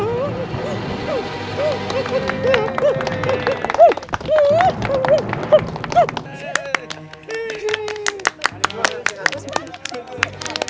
obat itu pertarungan